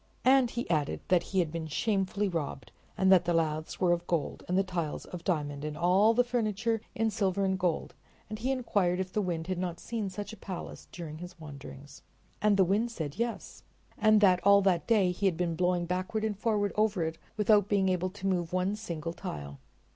And he added that he had been shamefully robbed, and that the laths were of gold and the tiles of diamond, and all the furniture in silver and gold, and he inquired if the Wind had not seen such a palace during his wanderings. And the Wind said yes, and that all that day he had been blowing backward and forward over it without being able to move one single tile.